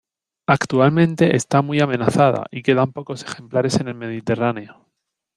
Actualmente está muy amenazada, y quedan pocos ejemplares en el Mediterráneo.